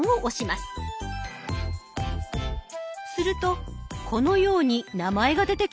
するとこのように名前が出てきました。